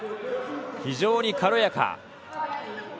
非常に軽やか。